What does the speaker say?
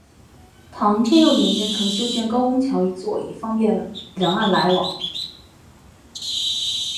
唐天佑年间曾修建高公桥一座以方便两岸来往。